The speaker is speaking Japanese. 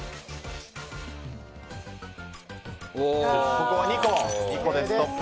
ここは２個でストップ。